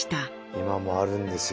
今もあるんですよ